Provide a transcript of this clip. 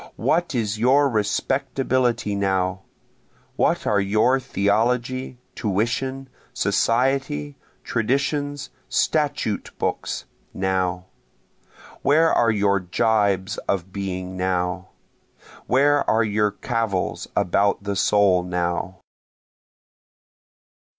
What is your respectability now? What are your theology, tuition, society, traditions, statute books, now? Where are your jibes of being now? Where are your cavils about the soul now?